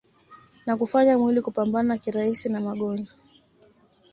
na kufanya mwili kupambana kirahisi na magonjwa